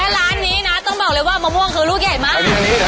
ร้านนี้นะต้องบอกเลยว่ามะม่วงคือลูกใหญ่มาก